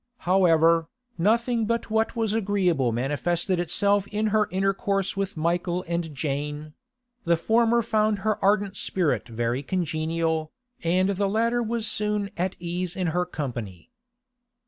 However, nothing but what was agreeable manifested itself in her intercourse with Michael and Jane; the former found her ardent spirit very congenial, and the latter was soon at ease in her company.